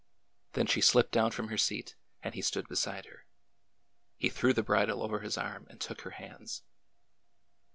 Then she slipped down from her seat, and he stood beside her. He threw the bridle over his arm and took her hands.